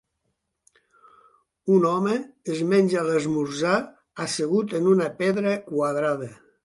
Un home es menja l'esmorzar assegut en una pedra quadrada.